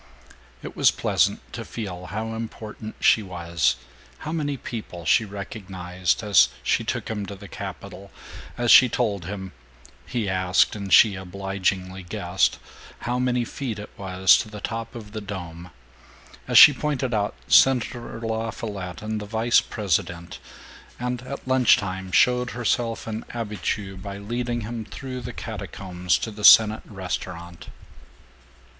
It was pleasant to feel how important she was, how many people she recognized, as she took him to the Capitol, as she told him (he asked and she obligingly guessed) how many feet it was to the top of the dome, as she pointed out Senator LaFollette and the vice president, and at lunch time showed herself an habitue by leading him through the catacombs to the senate restaurant.